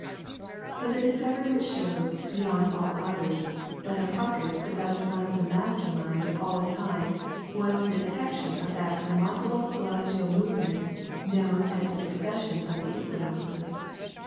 But the discovery which shows, beyond all others, that Hipparchus possessed one of the master minds of all time was the detection of that remarkable celestial movement known as the precession of the equinoxes.